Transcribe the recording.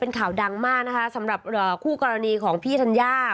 เป็นข่าวดังมากนะคะสำหรับคู่กรณีของพี่ธัญญา